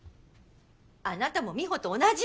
あなたも美帆と同じ。